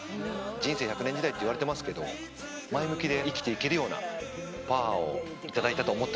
人生１００年時代っていわれてますけど前向きで生きていけるようなパワーを頂いたと思ってます。